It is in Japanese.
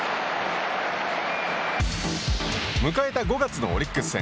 迎えた５月のオリックス戦。